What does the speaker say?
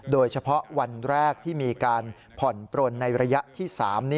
โดยเฉพาะวันแรกที่มีการผ่อนปลนในระยะที่๓